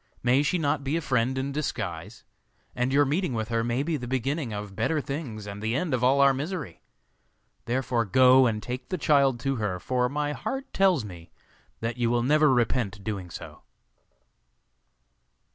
May she not be a friend in disguise? And your meeting with her may be the beginning of better things and the end of all our misery. Therefore go and take the child to her, for my heart tells me that you will never repent doing so.